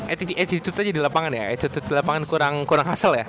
eee attitude aja di lapangan ya attitude di lapangan kurang hasil ya